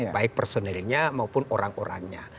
baik personilnya maupun orang orangnya